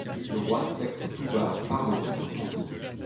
Le roi spectre tout bas parle au prêtre fantôme.